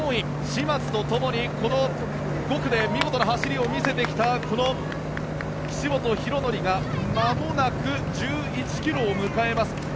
嶋津と共に５区で見事な走りを見せてきたこの岸本大紀がまもなく１１ｋｍを迎えます。